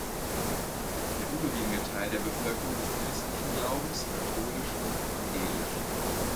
Der überwiegende Teil der Bevölkerung ist christlichen Glaubens, katholisch und evangelisch.